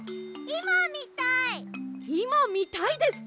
いまみたいです！